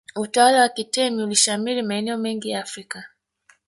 utawala wa kitemi ulishamiri maeneo mengi afrika